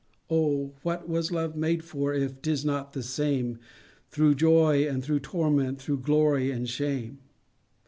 Oh! what was love made for, if 'tis not the same Through joy and through torment, through glory and shame?